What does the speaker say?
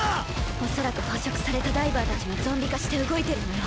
おそらく捕食されたダイバーたちがゾンビ化して動いてるのよ。